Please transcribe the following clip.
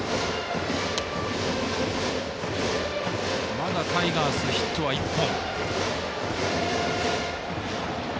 まだタイガース、ヒット１本。